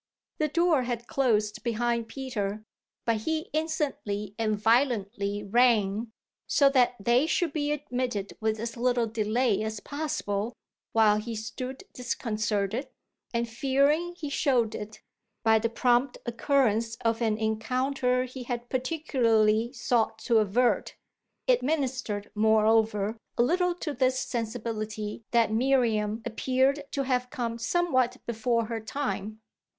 The door had closed behind Peter, but he instantly and violently rang, so that they should be admitted with as little delay as possible, while he stood disconcerted, and fearing he showed it, by the prompt occurrence of an encounter he had particularly sought to avert. It ministered, moreover, a little to this sensibility that Miriam appeared to have come somewhat before her time.